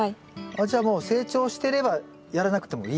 あっじゃあもう成長してればやらなくてもいいという。